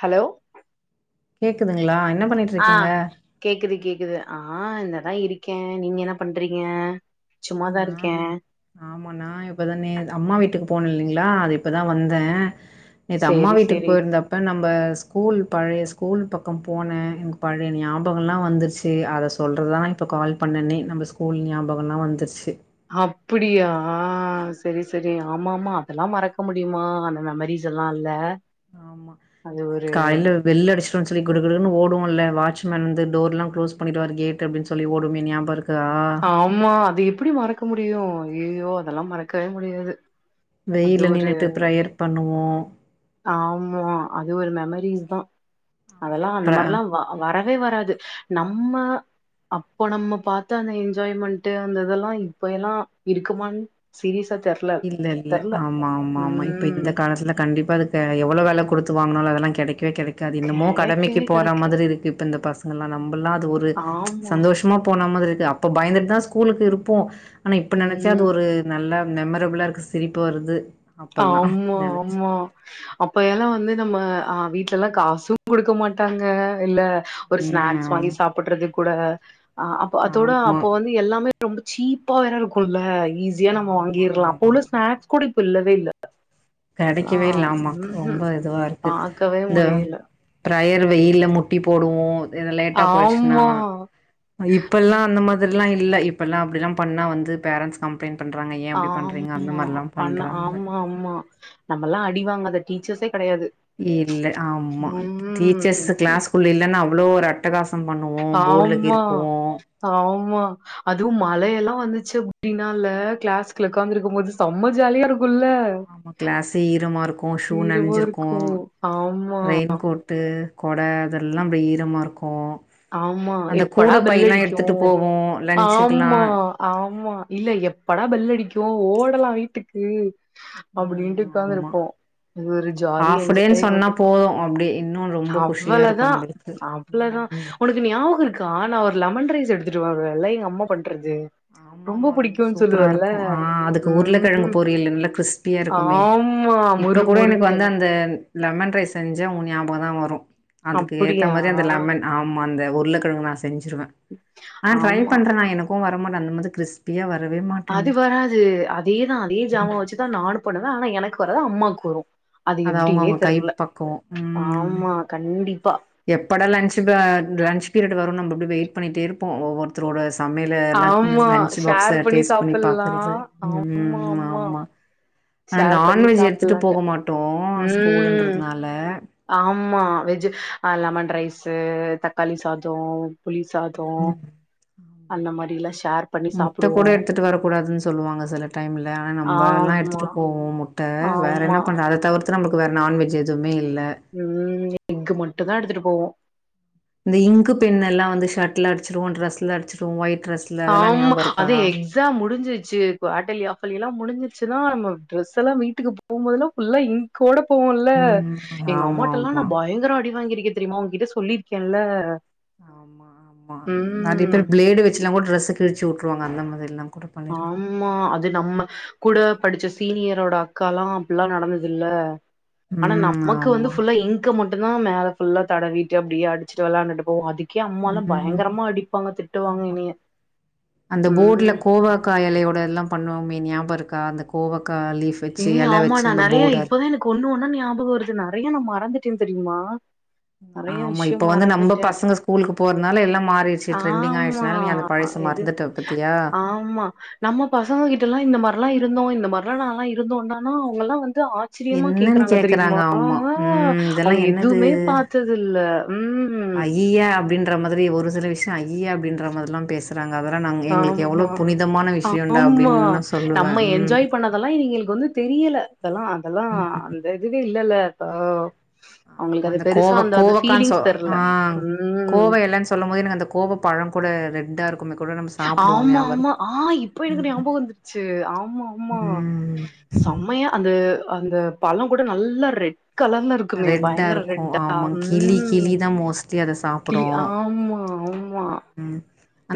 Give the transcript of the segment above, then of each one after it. Hello கேக்குதுங்களா என்ன பண்ணிட்டு ஆ இருக்கீங்க கேக்குது கேக்குது ஆ இந்ததா இருக்கே நீங்க என்ன பண்றீங்க சும்மாதா இருக்கே நானு ஆமா நா இப்பதானே அம்மா வீட்டுக்கு போன இல்லிங்ளா அது இப்பதா வந்தே நேத்து அம்மா சேரி வீட்டுக் சேரி போய்ர்ந்தப்ப நம்ம ஸ்கூல் பழைய ஸ் ஸ்கூல் பக்கம் போனே எனக் பழைய ஞாபகல்லா வந்துர்ச்சி அத சொல்றர்தா இப்போ கால் பண்ணனே நம்ப ஸ்கூல் ஞாபகல்லா வந்துர்ச் ச்சு அப்புடியா செரி செரி ஆமா ஆமா அதெல்லாம் மறக்க முடியுமா அந்த மெமரிஸ் எல்லா இல்ல ஆமா அது ஒரு காயில்ல பெல் அடிச் உட்ருன் சொல்லி குடுகுடூன்னு ஓடுவோல்ல வாட்ச்மேன் வந்து டோர்ல்லா க்ளோஸ் பண்ணிடுவாரு கேட்டு அப்டின்சொல்லி ஓடுவமே ஞாபகருக் ஆம்மா அது எப்பிடி மறக்க முடியு ஐய்யய்யோ அதெல்லா மறக்கவே முடியாது வெயில்ல நின்னுட்டு ப்ரெயர் பண்ணுவோ ஆம்மா அது ஒரு மெமரீஸ் தா ஆமா அதெல்லா அந்த ப்ர மாரில்லா வ வர வே வராது நம்ம அப்பொ நம்ம பாத்த அந்த எஞ்ஜாய்மண்ட்டு அந்த இதெல்லா இப்ப எல்லா இருக்குமான் சீரியசாத் இல்லல்ல ஆமாம்மாம்மா இப்ப ம் இந்த காலத்துல கண்டிப்பா அது த எவ்வளோ வெல குடுத்து வாங்னாலு அதெல்லா கெடைக்கவே கெடைக் க்கு அது என்னமோ கடமைக்கு கெடைக்கவே போற கெடைக்காது மாதிரி இருக்கு இப்ப இந்த பசங்கெல்லா நம்பல்லா அது ஒரு ஆமா சந்தோஷமா போன மாதிரி து அப்போ பயந்துட்டுதா ஸ்கூலுக்கு இருப்போ ஆனா இப்ப நெனச்சா அது ம் ஒரு நல்ல மெமரபுலா இருக்கு சிரிப்பு வருது அப்பல்லா ஆம்மா நெனச்சு. ஆம்மா அப்ப எல்லா வந்து நம்ம ஆ வீட்லெல்லா காசூங் குடுக்க மாட்டாங்க இல்ல ஒரு ம் ஸ்நேக்ஸ் வாங்கி ஆமா. சாப்புட்டுறதுக் குட ஆ அப்ப அதோட ஆமா. அப்போ வந்து எல்லாமே ரொம்ப சீப்பா வேற இருக்குல்ல ஈஸியா நம்ம ஆமா வாங்கிற்லா அப்ப உள்ள ஸ்னக்ஸ் கூட இப்ப இல்ல வெயில்ல கடைக்கவே இல்ல ஆமா ரொம்ப இதுவா இருக்கு பாக்கவே இந்த முடியல டயர் வெயில்ல முட்டி போடுவோ லேட்டா போயிடுச்சுன்னா ஆமா அ இப்பல்லா அந்த மாதிரி ல்லா இல்ல இப்பெல்லா அப்டில்லா பண்ணா வந்து பரண்ட்ஸ் கம்ப்ளைண்ட் பண்றாங்க ஏ அப்டி பண்றீங்க அந்த ஆமா மாரிலா பண்ண பண்றாங்க ஆமா ஆமா நம்மல்லா அடிவாங்காத டீச்சர்ஸே கெடையாது இல்ல ஆமா டீச்சர்ஸ் ம் க்ளஸ்குள்ள இல்லன்னா அவ்ளோ ஒரு அட்டகாஸ் ஆமா ஆமா அதுவு மழையெல்லா வந்துச்சு அப்டின்னால்ல க்ளஸ்க்ல உக்காந்து இருக்கும் போது செம்ம ஜாலியா இருக்கு ஆமா க்ளஸே ஈரமா இருக்கு ஷூ இரவா நன்ஞ்சிருக்கு‌ இருக்கும். ஆமா, ரெய்ன் கோட்டு கொட அதெல்லா அப்டி ஈரமா இருக்கு ஆமா அந்த கூட எப்படா பைல்லா பெல்லடிக்கு எடுத்துட்டு போவோ லன்ச்சுக்குல்லா ஆமா ஆமா இல்ல எப்படா பெல்லடிக்கு ஓடலா வீட்டு உம் அப்டின்ட்டு ம் ஆமா உக்காந்துருப்போம் இது ஒரு ஜாலி ஹாஃப் டேன்னு சொன்னா என்ஜாய்மெண்ட் தா போது அப்டி இன்னு ரொம்ப குஷியா இருக்கு அவ்வளதா நம்மளுக்கு அவ்ளதா ம் ஞாபகோ இருக்கா நா ஒரு லெமன் ரைஸ் எடுத்துட்டு வருவல்ல எங்க அம்மா பண்ண ஆமா ஆமா ரொம்ப சூப்பரா இருக்கு ஆ அதுக்கு ம். உருளக்கெழங்கு பொரியல் நல்லா கிறிஸ்பியா இருக்குமே ஆமா. இப்ப மொறு கூட எனக்கு மொறுன்னு. வந்து அந்த லெமன் ரைஸ் செஞ்சா உ நியாபகந்தா வரு அதுக்கு ஏத்த அப்படியா? மாரி அந்த லெமன் ஆம் மா அந்த உருளக்கெழங்கு நாச செஞ்சிருவ ஆனா ட்ரை ஆமா. பண்ற நா எனக்கு வா நமக் அந்த மாரி கிரிஸ்பியா வர அது வராது அதேதா அதே ஜாமா வச்சுதா நானு பண்ணுவ ஆனா எனக்கு வராது அம்மாக்கு வரு அது அவங்கவங்க கை பக்குவோ ம் ஆமா, கண்டிப்பா. எப்படா லன்ச் ப லன்ச் பீரியட் வருன் நம்ம அப்டி வெய்ட் பண்ணிட்டே இருப்போ ஒவ்வொருத்தரோட சமையல ல ல் ஆமா. லஞ்ச் ஷேர் பாக்ச டேஸ்ட் பண்ணி பாக்குறது சாப்பல்லாம். ஆமா, ம் ஆமா ஆனா ஷேர் பண்ணி நான்வெஜ் எடுத்துட்டு போக சாப்பல்லான்ட்டு. மாட்டோ ம். ஸ்கூலுன்றதுனால ஆ லெமன் ரைஸு தக்காளி சாதோ புளிசாதோ ம் அந்த மாரிலா முட்ட கூட எடுத்துட்டு வரக்கூடாதுன்னு சொல்லுவாங்க செல டைம்ல ஆனா நம்ப எல்லா ஆமா, எடுத்துட்டு போவோம் முட்ட வேற ஆமா. என்ன பண்றது அத தவிர்த் து நமக்கு வேற நான்வெஜ் எதுவுமே இல்ல உம் எஃக் மட்டுதா எடுத்துட்டு போவோ இந்த இங்க் பென்னெல்லா வந்து ஷட்ல அடிச்சிருவோ டிரெஸ்ல அடிச்சி ஆமா அது எக்ஸாம் முடிஞ்சிருச்சு குவாட்டர்லி ஆஃபர்லி எல்லா முடிஞ்சிருச் சினா நம்ம ட்ரெஸ்ஸெல்லா வீட்டுக்கு போம்போதெல்லா ஃபுல்லா இங்க்கோட போவோல்ல ம் எங்க ஆமா அம்மாட்டெல்லா ஆமா நா பயங்கர அடி வாங்கியிருக்கே தெரியுமா ஒங்கிட்ட சொல்லி கெல்ல. ஆமா ஆமா நெறய பேர் பிளேடு வச்சுலா கூட ட்ரெஸ் கிழிச்சி வுட்டுருவாங்க அந்த மாதிரிலா ஆமா அது நம்ம கூட படிச்ச சீனியரோட அக் க்காலா அப்டிலா நடந்ததுல ஆனா ம் நமக்கு வந்து ஆமா ஃபுல்லா இங்க் மட் மட்டுந்தா மேல ஃபுல்லா தடவிட்டு அப்படியே அடிச்சுட்டு விளாண்டுட்டு போவோ அதிக் கே அம்மாலாம் ம் பயங்கரமா அடிப்பாங்க திட்டுவாங்க ஆமா என்னைய உம் காய் எலையோட எல்லா பண்ணுவோ மே நியாபருக்கா அந்த கோவக் ஏ ஆமா நா நெறயா இப்பதா எனக்கு ஒன்னு ஒன்னா நியாபகம் வருது நெறயா நா மறந்துட் டேன் தெரியுமா நெறயா ஆமா இப்ப விஷயம் வந்து நம்ம மறந்துட்ட பசங்க ஸ்கூலுக்கு போறதுனால எல்லா மாறிடுச்சு ட்ரெண்டிங் ஆமா ஆயிடுச்சுனால நீ அந்த பழச எது மறந்துட்ட பத்தியா ஆமா நம்ம பசங்க கிட்டல்லா இந்த மார்லா இருந்தோ இந்த கொரனா லா இருந்து ஒன்னானோ அவங்கல்லா வந்து வந்து ஆச்சரியமா என்னன்னு கேக்குறாங்க தெரியுமா ஆ ஆமா ம் அவங்க எதுவுமே பாத்தது இல்ல அய்யய்ய அப்பிடின் ற மாதிரி ஒரு சில விஷயோ அய்யய அப்படின்ற மாதிரில்லா பேசுறா ங்க அதெல்லா நா எங்களுக்கு ஆமா எவ்வளவு புனிதமான விஷியம்டா ஆமா அப்படின்னு நா சொல்லுவே நம்ம உம் என்ஜாய் பண்ணதெல்லா இவிங்களுக்கு வந்து தெரியல அதெல்லா அதெல்லா அந்த இதுவே இல்லல்ல ஆ ஆ அந்த கோவக் கோவக்கானு சொ தெர்ல ஆ ம் கோவ எலன்னு சொல்லும் போது எனக்கு அந்த கோவ பழம் கூட ரெ ட்டா ரு ஆமா ஆமா ஆ இப்ப எனக்கு ஞாபகோ வந்துருச்சு ஆமா ஆமா ம். செம்மையா அது அந்த பழம் கூட நல்லா ரெட் கலர்ல இருக்குமே ரெட்டா பயங்கர இருக்கும். ரெட்டா ஆமா. கிளி கிளி உம் தான் மோஸ்ட்லி அத கிளி சாப்பிடும். ஆமா ஆமா ம்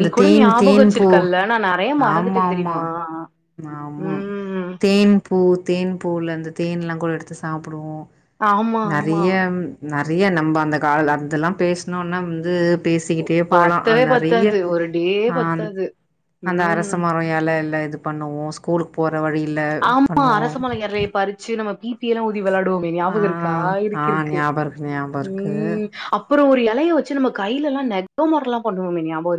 நீ கூட தேன் ஞாபகம் தேன் பூ வச்சிருக்கல்ல நா நெறைய ஆமா மறந்துட்டே ஆமா தெரியுமா ஆமா ம் தேன் பூ தேன் பூல அந்த தேன் எலா கு எடுத்து சாப்பிடுவோ ஆமா ஆமா நறைய நம்ம அந்த கால அதெலா பேசனோனா வந்து பேசிக்கிட்டே போலா அது பத்தவே நெறைய பத்தாது ஒரு டேயே ஆ பத்தாது அந்த அரச உம் மரோ எலைல இது பண்ணுவோ ஸ்கூலுக்கு போற வழில இது ஆமா பண்ணுவோ அரசமலை இரைய பறிச்சு நம்ம பி பி எல்லா ஊதிவி வெளையாடுவோமே ஆ ஞாபகோ இருக்கா ஆ இருக்கு இருக்கு ஞாபகோ ஞாபகோ இருக்கு உம் அப்புறோ ஒரு லைய வச்சு நம்ம கையில எல்ல நெகமாரல்லா பண்ணுவமே ஞாபக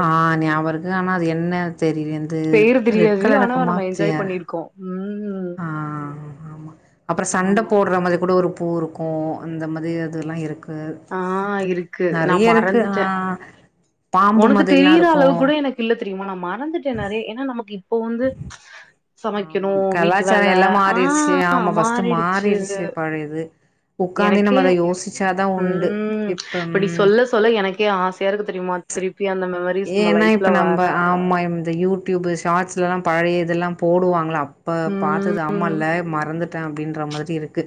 ஆ ஞாபக இருக்கு ஆனா அது என்ன தெரிய பேரு தெரியாது ஆனா நம்ம என்ஜாய் பண்ணிருக்கோ ம் ஆ ஆமா அப்புறோ சண்டே ஆமா போடுற மாரி கூட ஒரு பூருக்கு இருக்கு அந்த மாதிரி அதெலா இருக்கு ஆ இருக்கு நா நெறைய இருக்கு ஆ மறந்துட்டே பாம்பு உனக்கு மாதிரிலா தெரியிற இருக்கு அளவு கூட எனக்கு இல்ல தெரியுமா நா மறந்துட்டே நெறையா ஏன்னா நமக்கு போந்து ம்ச் ஆமா கலாச்சாரம் எல்லாம் மாறிடுச்சு ஆமா பர்ஸ்ட்ட் மாறிடுச்சு பழையது உக்காந்து எனக்கே நம்ம அத யோசிச்சாதா உண்டு உஹம் இப்ப நீ ம் சொல்ல சொல்ல எனக்கே ஆசையா இருக்கு தெரியுமா த்ரி ஏன்னா இப்ப நம்ம அம்மா இந்த யூடியூப் ஷார்ட்ஸ்லல்லாம் பழைய இதெல்லாம் போடுவாங்களா இப்ப பாத்தது ஆமா இல்ல மறந்துட்டு அப்படின்ற மாதிரி இருக்கு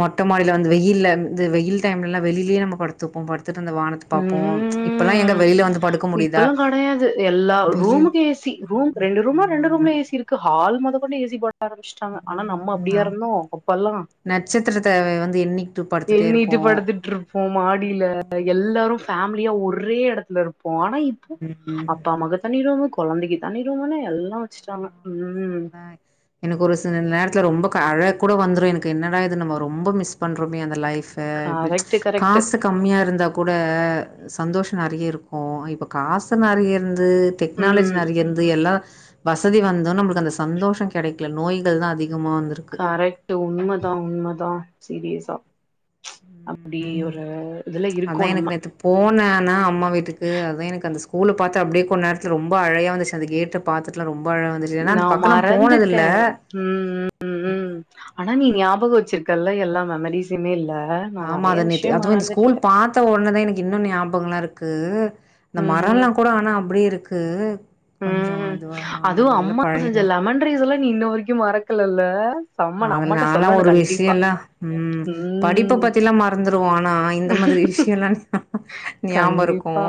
மொட்டை ம் மாடியில வந்து வெயில் இந்த வெயில் டைம்லல்ல வெளிலயே நம்ம படுத்துப்போ ந்த வானத்தை பாப்போம் இப்பெல்லாம் எங்க வெளியில வந்து படு இப்ப எல்லாம் கிடையாது எல்லா ரூமுக்கு ஏசி ரூ ரெண்டு ரூமா ரெண்டு ம் ரூம்ல ஏசி இருக்கு ஹால் மொதகொன் ஏசிபோட் ஆரம்பிச்சுிட்டாங்க ஆனா நம்ம ம் அப்படியா ஆமா இருந்தம் அப்பெல்லாம் ஹ நட்சத்திரத்த வந்து எண்ணிட்டு படுத்துட்டே எண்ணிட்டு இருப்போ படுத்துட்டு இருப்போ மாடில எல்லாரும் ஃபேமிலியா ஒரே இடத்துல இருப்போம் னா இப்போ ம் ம். அப்பா அம்மாக்கு தனி ரூம் குழந்தைக்கு தனி ரூம் னு எல்லாம் வச்சுட்டாங்க ம் அஹ் எனக்கு ஒரு சிலநேரத் ரொம்ப அழ கூட வந்துரும் எனக்கு என்னடாது நம்ம ரொம்ப மிஸ் பண்றோமே அந்த லைப் சா கரெக்ட்டு கரெக்ட்டு காசு கம்மியா இருந்தா கூட சந்தோஷம் நிறைய இருக்கு இப்போ காசு நிறைய இருந்த ந்து டெக்னாலஜி ம் நிறையந்து எல்லா வசதி வந்து நம்மளுக் அந்த சந்தோஷ கிடைக்கல நோய்கள் தான் அதிக கரெக்ட்டு உண்மதான் உண்மதான் சீரியஸா அப்படி ம் ஒரு இதுல இருக்கோம் நம்ம ந அம்மா வீட்டுக்கு அதான் எனக்கு அந்த ஸ்கூல பாத்து அப்படியே கொன் நேரத்து ரொம்ப அழையா வந்துச்சு அந்த கேட்ட பாத்துட்டு ரொம்ப அழ வந்துச்சு ஏன்னா அந்த நான் பக்கோ நா போனதில்ல மறந்துட்டேன் உஹம் உம் உம் ஆனா நீ ஞாபகம் வச்சிரு க்கல்லாம் எல்லா மெமரரிஸ்ஸுமே இல்ல நா ஆமா நெறைய த நேத்து விஷயம் அதுவும் ஸ்கூல் மறந்துட்டே பாத்த உடனதான் எனக்கு இன்னும் ஞாபகங்கள்லாம் இருக்கு இந்த மரம்லாம் கூட ஆனா அப்படிய இருக்கு க்கு உம் அதுவும் அம்மா பழைய செஞ்ச மர லெமன் ரைஸ்லா நீ இன்ன வரைக்கும் மறக் லல்லா அதுல நாலாம் ஒரு விஷயம்ல்லா உஹம் படிப்ப ம் பத்தி எல்லா மறந்துருவோம் ஆனா இந்த மாதிரி விஷயம் எல்லா ஞாபகம் கண்டிப்பா இருக்கும்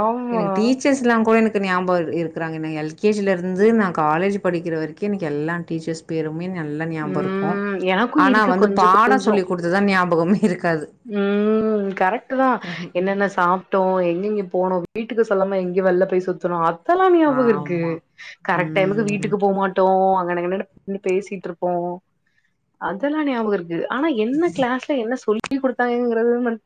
ஆமா எனக்கு டீச்சர்ஸ் எல்லா கூட எனக்கு க்கு ஞாபகம் இருக்கிறாங்க நா எல் கே ஜி ல இருந்து நான் காலேஜ் படிக்கிற வரைக்கும் எனக்கு எல்லா டீச்சர்ஸ் பேருமே நல்லா ஞாபகோ இருக்கு உம் எனக்கும் ஆனா இருக்கு வந்து கொஞ்சோ பாடோ கொஞ்சோ சொல்லி குடுத்ததா ஞாபகமே இருக்காது உம் கரெக்ட் தான் என்னென்ன சாப்ட்டோம் எ எங்கங்க போனும் வீட்டுக்கு சொல்லாம எங்கய வெளில போய் சுத்தணும் அ அதுலா ஞாபகம் இருக்கு ஆமா கரெக்ட் டைமுக்கு ம் வீட்டுக்கு போமாட்டோம் நடக்க நடக்க நின்னு பேசிட்டு இருப் போம் அதெல்லா ஞாபகருக்கு க்கு ஆனா என்ன கிளாஸ்ல என்ன சொல்லி சொல்லி கொடுத்தாங்கிறது மட்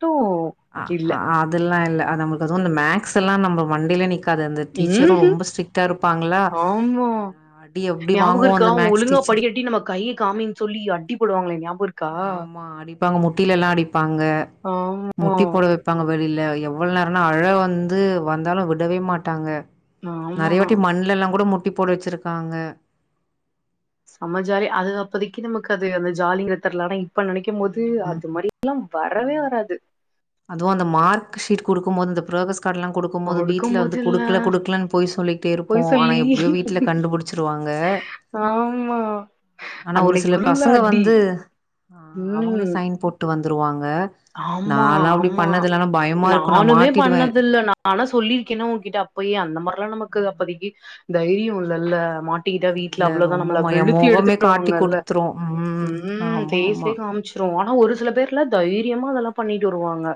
அஹ்ஹ் அதெல்லா இல்ல அது நம்மளுக்கு ஒசூரும் அந்த மேக்ஸ் மேக்ஸ் எல்லா நம்ம மண்டைல நிக்கும் உம்கும் ஆமா அடி எப்டி ஞாபகம் வாங்குவோ இருக்கா அந்த அவங்க மேக்ஸ் ஒழுங்கா டீச்சர் படிக்கட்டி நம்ம கையை காமின் சொல்லி அட்டி போடுவாங்களேன் ஞாபகம் இருக்கா ஆமா அடிப்பாங்க முட்டில எல்லா அடிப்பாங்க ஆமா முட்டி போட வைப்பாங்க வெளியில எவ்ளோ நேரம்னா அழ வந்து வந்தாலும் விடவே மாட்டாங்க ஆமா நெறைய வாட்டி மண்ணல எல்லா கூட முட் முட்டி போட வச்சிருக்காங்க செம்ம ஜாலி அதுக்கு அப்போதைக்கு நமக்கு அது அந்த ஜாலிய இத்தரல ஆனா இப் இப்ப நெனைக்கும் போது ம் அது மாதிரி எல்லா வரவே ஆமா வராது கும்போது அந்த புரோகஸ் கார்டு எல்லா குடுக்கும் போது வீட்டுல படுக்கும் வந்து போதுல்ல குடுக்கல குடுக்கலன்னனு போய் சொல்லிட்டே பொய் இருப்போம் ஆனா சொல்லி எப்படியோ வீட்டுல கண்டுபிடிச்சிருவாங்க ஆமா ஆனா ஒரு அன்னைக்கு சில விழும்ல பசங்க அடி வந்து ஆ அவங்களே ம் சைன் போட்டு வந்துருவாங் ஆமா ஆமா ஆனா பயமா இருக்கு நா நானுமே மாட்டிடுவே பண்ணத இல்ல நானா சொல்லிருக்கேன்னா உங்ககிட்ட அப்பயே அந்த மாதிரிலா நமக்கு அப்போதைக்கு தைரியம்ல்ல மாட் டிக்கிட்டா வீட்டுல இல்ல அவ்வளோதான் ரொம்ப நம்மல ம எ வெளுத்தி மொகமே காட்டி எடுத்துருவாங்கல்ல குடுத்துரு ம் உம் ஆமா ஆமா ஃபேஸ்லேயே காமிச்சிருவோ ஒரு சில பேர்ல தை தைரியமா அதெல்லா பண்ணிட்டு வருவாங்க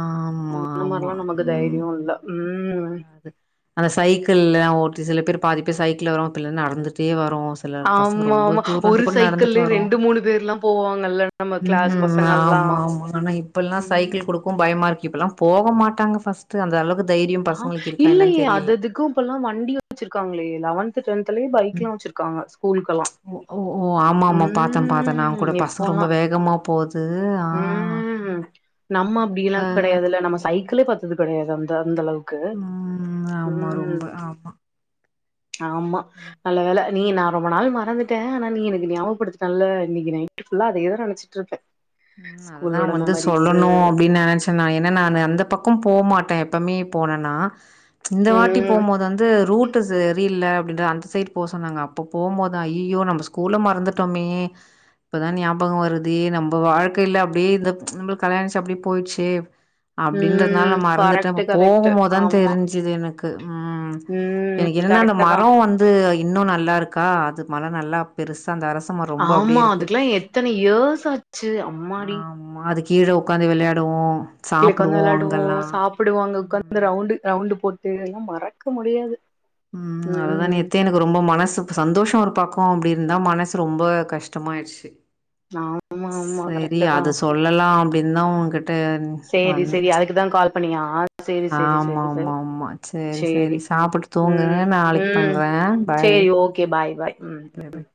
ஆமா இந்த ஆமா மாதிரிலா நமக்கு தைரியம் இல்ல உம் அது அந்த சைக்கிள் எ ஓட்டி சில பேர் பாதி பேர் சைக்கிள் வரும் பிள்ள நடந்துட்டே வர வோ சில பசங்க ஆமா ரொம்ப ஆமா தூரம் ஒரு இருந்து கூட நடந்துட்டு சைக்கிள்லயே வரும் ரெண்டு மூணு பேர்லா போவாங்கல்ல நம்ம கிளாஸ் உம் பசங்கல்லா ஆமா ஆமா ஆனா இப்பல்லா ம் சைக்கிள் குடுக்கும் பயமா இருக்கு இப்பல்லா போக மாட்டாங்க ஃபர்ஸ்ட்டு அந்த அளவுக்கு தைரியம் ஆ பச இல்லையே அதுதெக்கும் இப்பல்லாம் வண்டிய வெச்சிருக்காங்களே லவன் ஓ ஓ ஆமா ஆமா பாத்தேன் ப்த்தேன் நான் ம். கூட பசம் ரொம்ப வேகமா போகுது உம் நம்ம அப்படி எல்லாம் கெடையாது இல்ல நம்ம சைக்கிளே பாத்தது கெடையாது அந்த அந்த அளவுக்கு உம் ஆமா ரொம்ப ம். ஆமா ஆமா ம் நல்ல வேல நீ ந ரொம்ப நாள் மறந்துட்டேஆனா நீ எனக்கு ஞாபகப்படுத்திட்டல்ல இன்னைக்கு நைட்புல்லா அதே தான் நினைச்சிட்டு இருப்பே உம் அததுதான் வந்து சொல்லணும் அப்படின்னு நெனைச்சேன்னா ஏன்னா நான் அந்த பக்கம் போகமாட்டேன் எப்பமே போனனா இந்த வாட்டி ம். போகும்போது வந்து ரூட் சரியில்ல அப்ப அந்த சைட் போ சொன்னாங்க அப்ப போகும் போதான் ஐய்யய்யோ நம்ம ஸ்கூல்ல மறந்துட்டோமே இப்பதான் ஞாபகம் வருது நம்ம இப்ப வாழ்க்கை இல் அப்படி இந்த நம்ம கல்யாணிச்சு அப்படியே போயிடுச்சு அப்டின்றதுனால ம். மறந்துட்டேன் கரெக்ட்டு, இப்ப கரெக்ட்டு. போகும் போது தான் ஆமா. தெரிஞ்சுது எனக்கு உம் எனக்கு ம். என்னன்னா அந்த கரெக்ட்டு தான். மரம் வந்து இன்னும் நல்லா இருக்கா அது மழை நல்லா பெருசு ஆமா அதுக்கெல்லாம் எத்தன இயர்ஸ் ஆச்சு அம்மாடி! ஆமா அது கீழே உக்காந்து வெளையாடுவோம் கீழே உக்காந்து வெளையாடுவோம் சாப்பிடுவோம் அங்க ம் உக்காந்து ரவுண்டு ரவுண்டு போட்டு எல்லா மறக்க முடியாது உம் அது தா ம். நேத்தே எனக்கு ரொம்ப மனசு சந்தோஷம் பக்கோம் அப்டி இருந்தா மனசு ரொம்ப கஷ்டமா ஆயிடுச்சு ஆமா ஆமா சரி கரெக்ட் தா அது சொல்லலாம் அப்டின்னு தான் உன்கிட்ட சேரி வந்தேன் சேரி அதுக்குதா கால் பண்ணியா சேரி சேரி ஆமா சேரி சேரி ஆமா ஆமா சேரி சேரி சாப்பிட்டு தூங்குங்க ம் நாளைக்கு ம் பண்றேன் பாய் சேரி ஓகே பாய் பாய் ம் பாய் பாய்